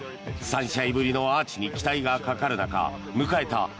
３試合ぶりのアーチに期待がかかる中迎えた